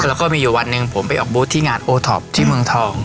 แล้วก็มีอยู่วันหนึ่งผมไปออกบูธที่งานโอท็อปที่เมืองทอง